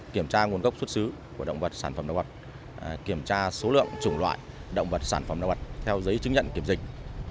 kiểm tra nguồn gốc xuất xứ của động vật sản phẩm động vật kiểm tra số lượng chủng loại động vật sản phẩm động vật theo giấy chứng nhận kiểm dịch